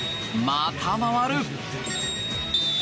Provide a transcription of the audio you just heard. また、回る。